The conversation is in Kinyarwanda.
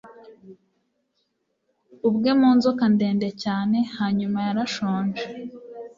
ubwe mu nzoka ndende cyane. hanyuma yarashonje